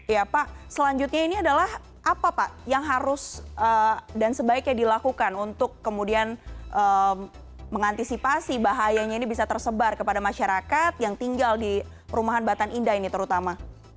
ya pak selanjutnya ini adalah apa pak yang harus dan sebaiknya dilakukan untuk kemudian mengantisipasi bahayanya ini bisa tersebar kepada masyarakat yang tinggal di perumahan batan indah ini terutama